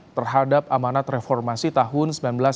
terhadap amanat reformasi tahun seribu sembilan ratus empat puluh